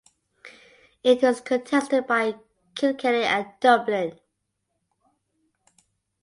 It was contested by Kilkenny and Dublin.